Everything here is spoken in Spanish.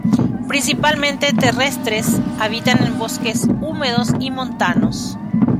Principalmente terrestres, habitan en bosques húmedos y montanos.